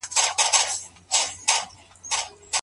د حلاله روزۍ پیدا کول د کورنۍ لپاره د پلار دنده ده.